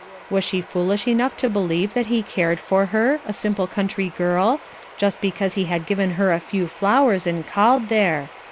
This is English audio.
Was she foolish enough to believe that he cared for her, a simple country girl, just because he had given her a few flowers and called there.